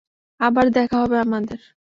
আবার দেখা হবে আমাদের?